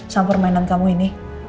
sampur mainan kamu ini